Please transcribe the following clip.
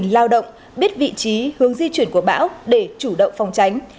lao động biết vị trí hướng di chuyển của bão để chủ động phòng tránh